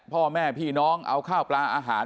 พ่อแม่พี่น้องเอาข้าวปลาอาหาร